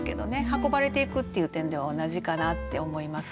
運ばれていくっていう点では同じかなって思います。